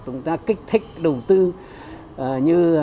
chúng ta kích thích đầu tư